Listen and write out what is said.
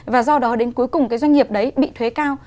và do đó đến cuối cùng cái doanh nghiệp đấy bị thuế cao